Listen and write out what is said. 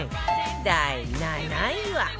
第７位は